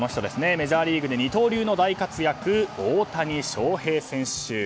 メジャーリーグで二刀流の大活躍、大谷翔平選手。